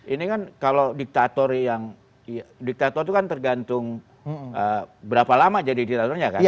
ini kan kalau diktator yang diktator itu kan tergantung berapa lama jadi diktatornya kan